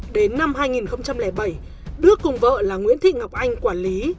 đến năm hai nghìn bảy đức cùng vợ là nguyễn thị ngọc anh quản lý